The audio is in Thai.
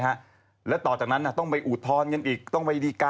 หลักฐานเด็ดจริง